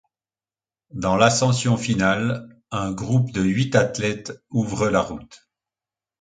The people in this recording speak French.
Dans l'ascension finale, un groupe de huit athlètes ouvre la route.